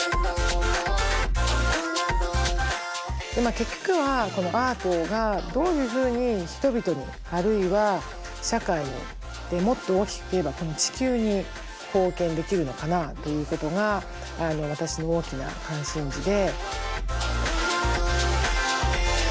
結局はアートがどういうふうに人々にあるいは社会にもっと大きく言えばこの地球に貢献できるのかなということが私の大きな関心事で。